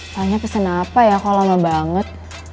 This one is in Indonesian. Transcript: pernahnya pesen apa ya kok lama banget